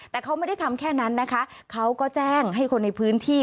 แต่เขาไม่ได้ทำแค่นั้นนะคะเขาก็แจ้งให้คนในพื้นที่